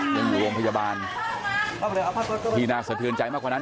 ยังอยู่โรงพยาบาลที่น่าสะเทือนใจมากกว่านั้น